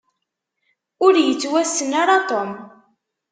Ur yettwassen ara Tom.